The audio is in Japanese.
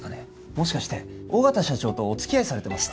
もしかして緒方社長とお付き合いされてますか？